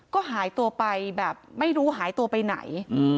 ก็หายตัวไปแบบไม่รู้หายตัวไปไหน